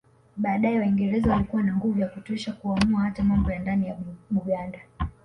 Baadaye Waingereza walikuwa na nguvu ya kutosha kuamua hata mambo ya ndani ya Buganda